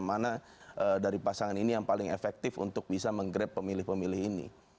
mana dari pasangan ini yang paling efektif untuk bisa menggrab pemilih pemilih ini